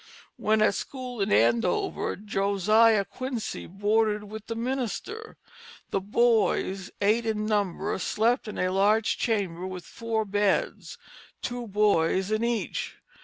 When at school in Andover, Josiah Quincy boarded with the minister. The boys, eight in number, slept in a large chamber with four beds, two boys in each.